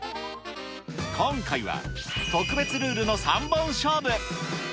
今回は特別ルールの３本勝負。